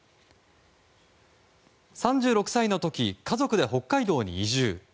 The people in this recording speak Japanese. ３６歳の時家族で北海道に移住。